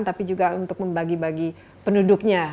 tapi juga untuk membagi bagi penduduknya